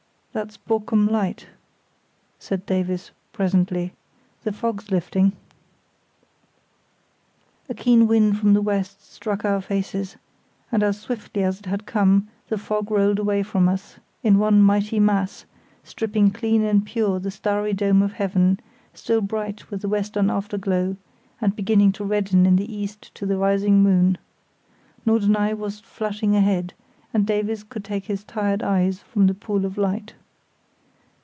"That's Borkum light," said Davies, presently; "the fog's lifting." A keen wind from the west struck our faces, and as swiftly as it had come the fog rolled away from us, in one mighty mass, stripping clean and pure the starry dome of heaven, still bright with the western after glow, and beginning to redden in the east to the rising moon. Norderney light was flashing ahead, and Davies could take his tired eyes from the pool of light.